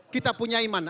kita punya iman